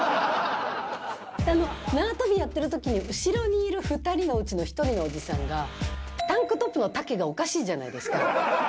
でも、縄跳びやってるときに、後ろにいる２人のうちの１人のおじさんが、タンクトップの丈がおかしいじゃないですか。